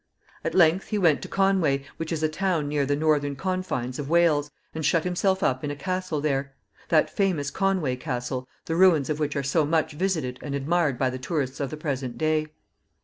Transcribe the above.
At length he went to Conway, which is a town near the northern confines of Wales, and shut himself up in the castle there that famous Conway Castle, the ruins of which are so much visited and admired by the tourists of the present day.